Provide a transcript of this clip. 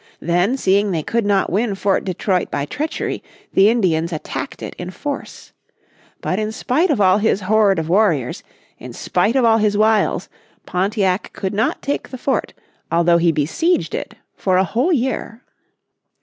Then seeing they could not win Fort Detroit by treachery, the Indians attacked it in force. But in spite of all his horde of warriors, in spite of all his wiles, Pontiac could not take the fort although he besieged it for a whole year.